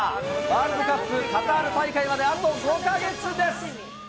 ワールドカップカタール大会まであと５か月です。